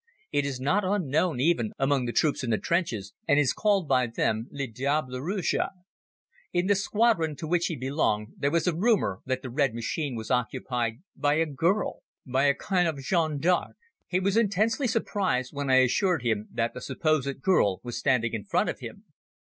It is not unknown even among the troops in the trenches and is called by them "le diable rouge." In the Squadron to which he belonged there was a rumor that the Red Machine was occupied by a girl, by a kind of Jeanne d'Arc. He was intensely surprised when I assured him that the supposed girl was standing in front of him.